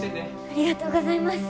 ありがとうございます。